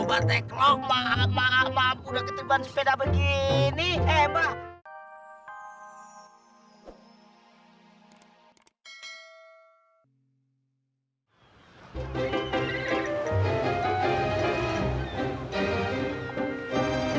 batek lo maaf maaf maaf udah keterban sepeda begini hebah